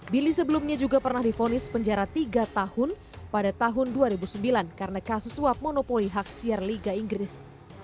billy sebelumnya juga pernah difonis penjara tiga tahun pada tahun dua ribu sembilan karena kasus suap monopoli hak siar liga inggris